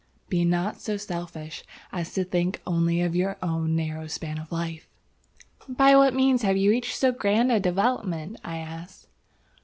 Be not so selfish as to think only of your own narrow span of life." "By what means have you reached so grand a development?" I asked.